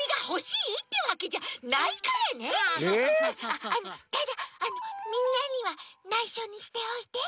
あっあのただみんなにはないしょにしておいて。